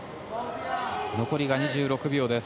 残りが２６秒です。